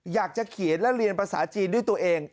อยากจะเขียนและเรียนภาษาจีนด้วยตัวเอง